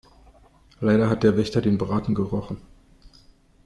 Leider hat der Wächter den Braten gerochen.